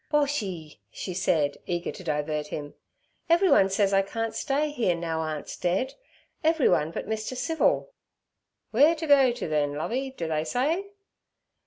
'Boshy' she said, eager to divert him, 'everyone says I can't stay here now aunt's dead—everyone but Mr. Civil.' 'Weer t' go t', then, Lovey, do they say?'